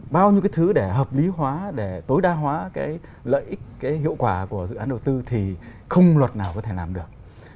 bao nhiêu cái thứ để hợp lý hóa để tối đa hóa cái lợi ích cái hiệu quả của dự án đầu tư thì không luật nào có thể làm được